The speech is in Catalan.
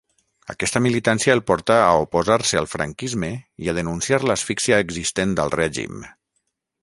Aquesta militància el portà a oposar-se al franquisme i a denunciar l'asfíxia existent al règim.